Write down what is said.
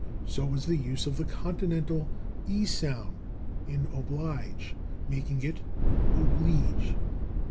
So was the use of the Continental /i/ sound in /oblige/, making it /obleege